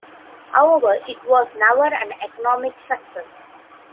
However, it was never an economic success.